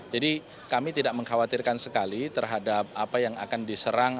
jadi kami tidak mengkhawatirkan sekali terhadap apa yang akan diserang